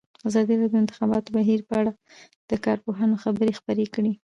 ازادي راډیو د د انتخاباتو بهیر په اړه د کارپوهانو خبرې خپرې کړي.